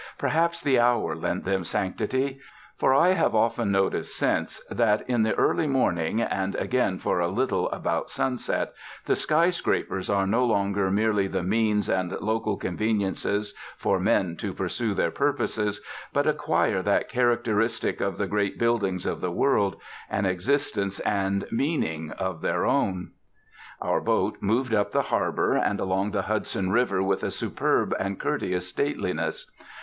Perhaps the hour lent them sanctity. For I have often noticed since that in the early morning, and again for a little about sunset, the sky scrapers are no longer merely the means and local convenience for men to pursue their purposes, but acquire that characteristic of the great buildings of the world, an existence and meaning of their own. Our boat moved up the harbour and along the Hudson River with a superb and courteous stateliness.